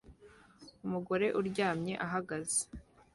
Umugore uryamye ahagaze